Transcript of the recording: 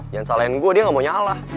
jangan salahin gue dia gak mau nyalah